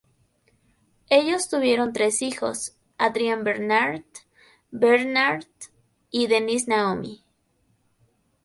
Ellos tuvieron tres hijos, Adrian Bernard, Bernard y Denise Naomi.